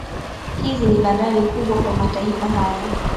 Hizi ni bandari kubwa kwa mataifa haya